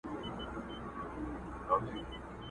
ما لیدلې د قومونو په جرګو کي؛